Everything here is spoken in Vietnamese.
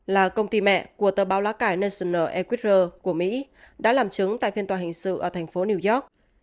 là công ty mẹ của tờ báo lá cải national airquezer của mỹ đã làm chứng tại phiên tòa hình sự ở thành phố new york